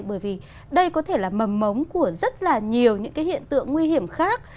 bởi vì đây có thể là mầm mống của rất là nhiều những hiện tượng nguy hiểm khác